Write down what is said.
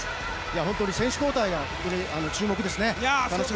本当に選手交代に注目ですね。